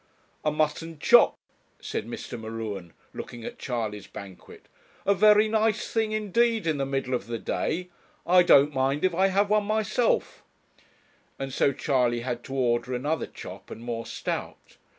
'A mutton chop!' said Mr. M'Ruen, looking at Charley's banquet. 'A very nice thing indeed in the middle of the day. I don't mind if I have one myself,' and so Charley had to order another chop and more stout.